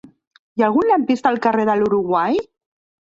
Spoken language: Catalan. Hi ha algun lampista al carrer de l'Uruguai?